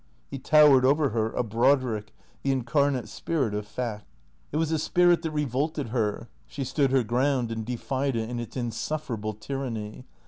He towered over her, a Brodrick, the incarnate spirit of fact. It was a spirit that revolted her. She stood her ground and defied it in its insufferable tyranny.